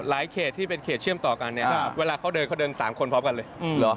เขตที่เป็นเขตเชื่อมต่อกันเนี่ยเวลาเขาเดินเขาเดิน๓คนพร้อมกันเลยเหรอ